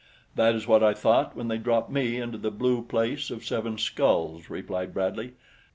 "That is what I thought when they dropped me into the Blue Place of Seven Skulls," replied Bradley.